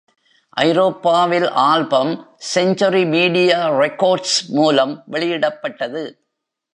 ஐரோப்பாவில் album Century Media Records. மூலம் வெளியிடப்பட்டது.